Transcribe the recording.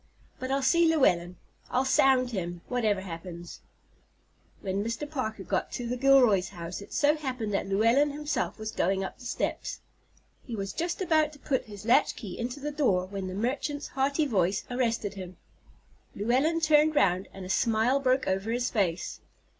But I'll see Llewellyn. I'll sound him, whatever happens." When Mr. Parker got to the Gilroys' house it so happened that Llewellyn himself was going up the steps. He was just about to put his latchkey into the door when the merchant's hearty voice arrested him. Llewellyn turned round, and a smile broke over his face.